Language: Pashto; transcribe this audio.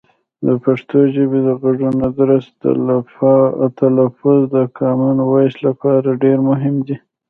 د پښتو ژبې د غږونو درست تلفظ د کامن وایس لپاره ډېر مهم دی.